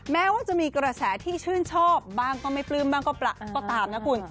แม้ว่าจะมีกระแสที่ชื่นชอบบ้างก็ไม่ปลื้มบ้างก็ตามนะคุณ